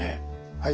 はい。